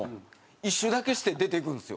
１周だけして出ていくんですよ。